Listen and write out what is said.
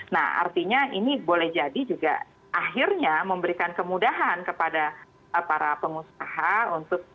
nah artinya ini boleh jadi juga akhirnya memberikan kemudahan kepada para pengusaha untuk